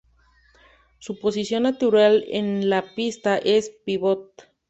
Su posición natural en la pista es pívot.